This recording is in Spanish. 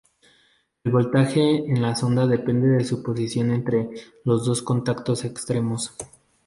El voltaje en la sonda depende de su posición entre los dos contactos extremos.